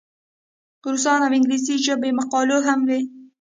روسي او انګلیسي ژبو مقالې هم وې.